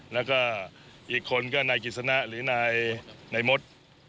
แล้วก็อีกคนก็นายกิจสนะหรือนายมด